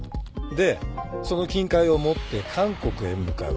でその金塊を持って韓国へ向かう。